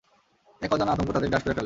এক অজানা আতঙ্ক তাদের গ্রাস করে ফেলে।